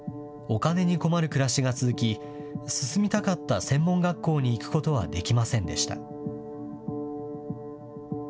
お金に困る暮らしが続き、進みたかった専門学校に行くことはできませんでした。